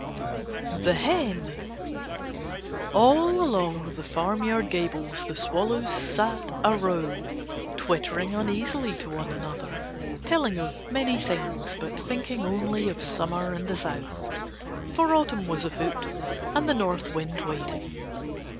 THE HEN All along the farmyard gables the swallows sat a row, twittering uneasily to one another, telling of many things, but thinking only of Summer and the South, for Autumn was afoot and the North wind waiting.